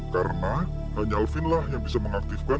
karena hanya alvinlah yang bisa mengaktifkan